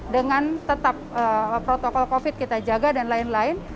dengan tetap protokol covid kita jaga dan lain lain